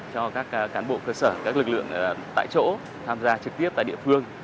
cho các cán bộ cơ sở các lực lượng tại chỗ tham gia trực tiếp tại địa phương